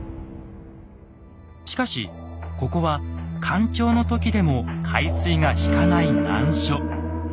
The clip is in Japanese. しかしここは干潮の時でも海水が引かない難所。